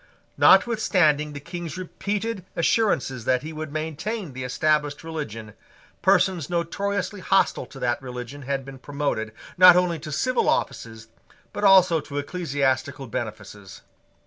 Notwithstanding the King's repeated assurances that he would maintain the established religion, persons notoriously hostile to that religion had been promoted, not only to civil offices, but also to ecclesiastical benefices.